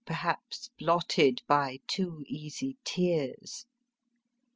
perhaps blotted by too easy tears